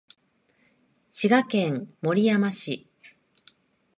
滋賀県守山市